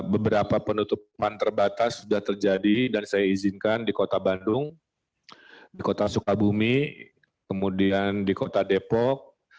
beberapa penutupan terbatas sudah terjadi dan saya izinkan di kota bandung di kota sukabumi kemudian di kota depok